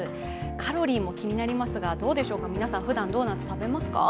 カロリーも気になりますが、皆さんふだんドーナツ食べますか？